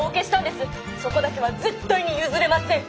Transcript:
そこだけは絶対に譲れません！